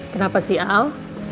kenapa sih al